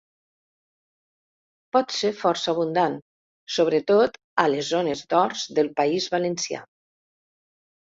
Pot ser força abundant, sobretot a les zones d'horts del País Valencià.